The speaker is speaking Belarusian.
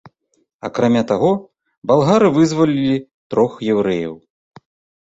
Акрамя таго, балгары вызвалілі трох яўрэяў.